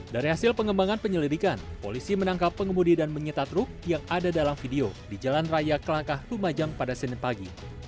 dari hasil pengembangan penyelidikan polisi menangkap pengemudi dan menyita truk yang ada dalam video di jalan raya kelangkah lumajang pada senin pagi